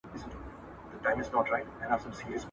سر څه په لوټه سپېره څه په شدياره.